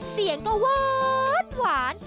เสียงก็ว๊าดหวาน